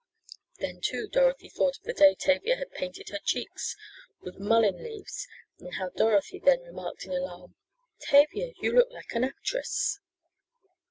Then, too, Dorothy thought of the day Tavia had painted her cheeks with mullin leaves and how Dorothy then remarked in alarm: "Tavia, you look like an actress!"